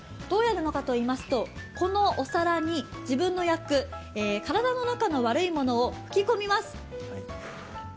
どうやるのかといいますと、このお皿に、自分の厄、体の中の悪いものを吹き込みます。